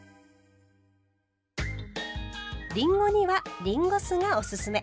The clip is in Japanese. りんごにはりんご酢がおすすめ。